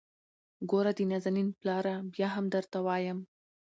ګوره د نازنين پلاره ! بيا هم درته وايم.